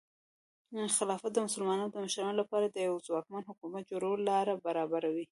خلافت د مسلمانانو د مشرانو لپاره د یوه ځواکمن حکومت جوړولو لاره برابروي.